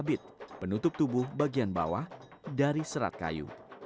bibit penutup tubuh bagian bawah dari serat kayu